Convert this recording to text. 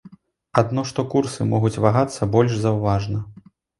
Адно што курсы могуць вагацца больш заўважна.